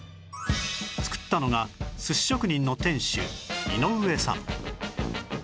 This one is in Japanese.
作ったのが寿司職人の店主井上さん